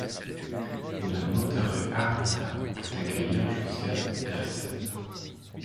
La Monterrey Arena peut accueillir jusqu'à personnes.